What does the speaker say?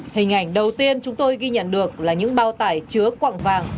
hình ảnh đầu tiên chúng tôi ghi nhận được là những bao tải chứa quặng vàng